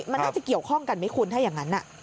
มันน่าจะเกี่ยวข้องกันไหมคุณถ้าอย่างนั้น